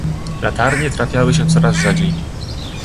"Latarnie trafiały się coraz rzadziej."